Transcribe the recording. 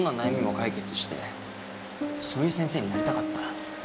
そういう先生になりたかった。